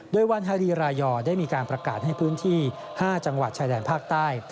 โดยวันฮารีรายอร์ได้มีการประกาศให้พื้นที่๕จังหวัดชายแดนภาคใต้